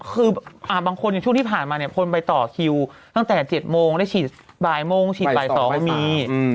คือบางคนอย่างช่วงที่ผ่านมาคนไปต่อคิวตั้งแต่๗โมงได้ฉีดบายมงค์ฉีดบายสองมี